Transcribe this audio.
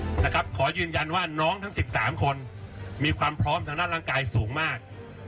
มีความพร้อมทั้งหน้าร่างกายสูงมากนะครับจิตใจสูงมาก